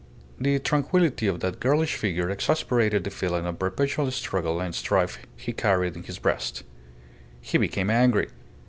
The tranquillity of that girlish figure exasperated the feeling of perpetual struggle and strife he carried in his breast. He became angry.